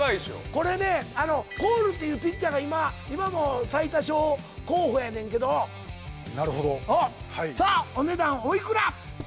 これコールっていうピッチャーが今も最多勝候補やねんけどなるほどさあお値段おいくら？